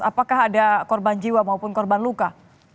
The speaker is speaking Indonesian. apakah ada korban jiwa maupun korban luka